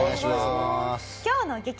今日の激